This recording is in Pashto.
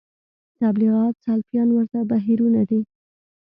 تبلیغیان سلفیان ورته بهیرونه دي